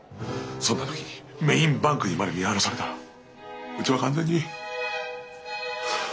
そんな時にメインバンクにまで見放されたらうちは完全に終わる。